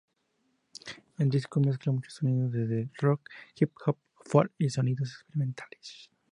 El disco mezcla muchos sonidos desde rock, hip hop, folk y sonidos experimentales.